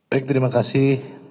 baik terima kasih